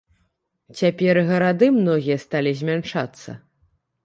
Цяпер і гарады многія сталі змяншацца.